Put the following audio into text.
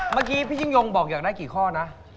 เมื่อกี้พี่ยิ่งยงบอกอยากได้กี่ข้อนะ